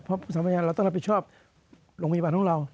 เพราะสำนักงานเราต้องรับผิดชอบโรงพยาบาลของเรา